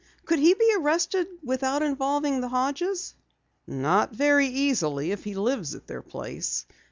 "Could he be arrested without involving the Hodges?" "Not very easily if he lives at their place.